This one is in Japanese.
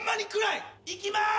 いきます！